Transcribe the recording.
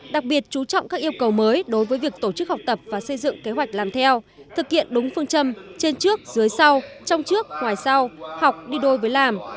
đặc biệt chú trọng các yêu cầu mới đối với việc tổ chức học tập và xây dựng kế hoạch làm theo thực hiện đúng phương châm trên trước dưới sau trong trước ngoài sau học đi đôi với làm